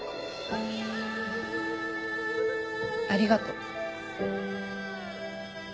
ありがとう。